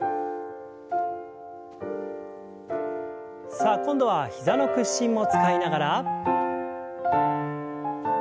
さあ今度は膝の屈伸も使いながら。